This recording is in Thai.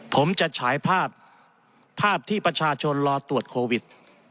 ผมจะฉายภาพภาพที่ประชาชนรอตรวจโควิด